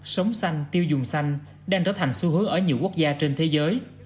sống xanh tiêu dùng xanh đang trở thành xu hướng ở nhiều quốc gia trên thế giới